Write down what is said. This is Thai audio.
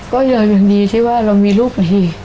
ก็เยอะอย่างดีที่ว่าเรามีลูกดี